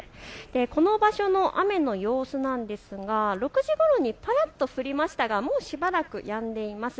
この場所の雨の様子なんですが、６時ごろ、ぱらっと降りましたがもうしばらくやんでいます。